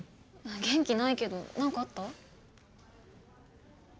元気ないけど何かあった？